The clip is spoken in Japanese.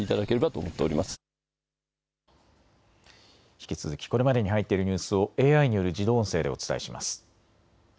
引き続きこれまでに入っているニュースをＡＩによる自動音声でお伝えします。